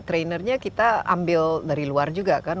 trainernya kita ambil dari luar juga kan